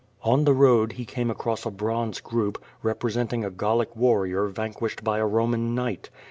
On the road he came across a bronze group, representing a Gallic warrior vanquished by a Roman knight.